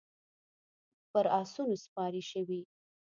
پر اسونو سپارې شوې.